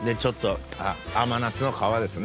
甘夏の皮ですね。